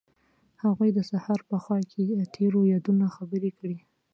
هغوی د سهار په خوا کې تیرو یادونو خبرې کړې.